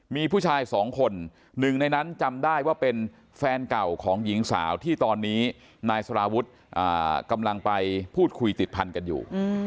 มีผู้ชายสองคนหนึ่งในนั้นจำได้ว่าเป็นแฟนเก่าของหญิงสาวที่ตอนนี้นายสารวุฒิกำลังไปพูดคุยติดพันกันอยู่